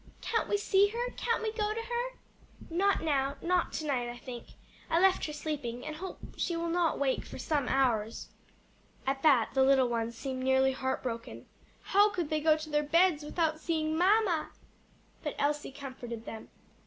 "Can't we see her? can't we go to her?" "Not now, not to night, I think. I left her sleeping, and hope she will not wake for some hours." At that the little ones seemed nearly heartbroken. "How could they go to their beds without seeing mamma?" But Elsie comforted them.